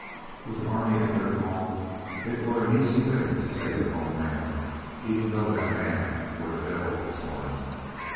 With an army at their call, it were an easy thing to take a lone man, even though that man were the Devil of Torn.